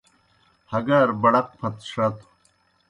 ہگار بڑق پھت ݜتوْ۔